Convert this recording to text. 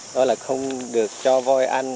đó là không được cho voi ăn